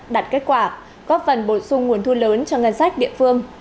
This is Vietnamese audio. đạt kết quả góp phần bổ sung nguồn thu lớn cho ngân sách địa phương